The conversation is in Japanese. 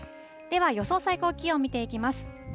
では、予想最高気温、見ていきます。